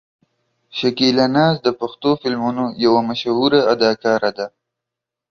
شکیلا ناز د پښتو فلمونو یوه مشهوره اداکاره ده.